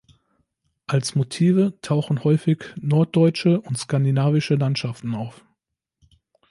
Als Motive tauchen häufig norddeutsche und skandinavische Landschaften auf.